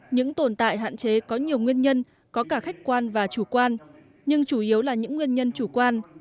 những tồn tại hạn chế có nhiều nguyên nhân có cả khách quan và chủ quan nhưng chủ yếu là những nguyên nhân chủ quan